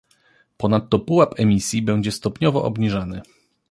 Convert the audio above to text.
Ponadto pułap emisji będzie stopniowo obniżany